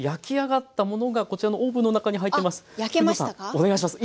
お願いします。